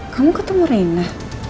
kamu ketemu rena